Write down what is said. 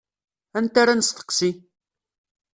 Anta ara nesteqsi?